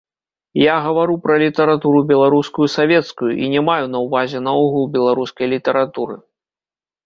Я гавару пра літаратуру беларускую савецкую і не маю на ўвазе наогул беларускай літаратуры.